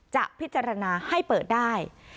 จะพิจารณาให้เปิดได้